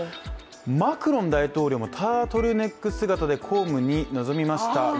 マクロン大統領もタートルネック姿で公務に臨みました。